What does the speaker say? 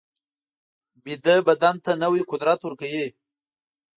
ویده بدن ته نوی قوت ورکوي